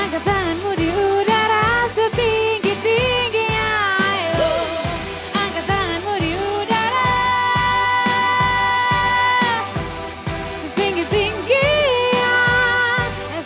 angkat tanganmu di udara setinggi tingginya